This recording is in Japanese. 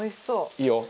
いいよ！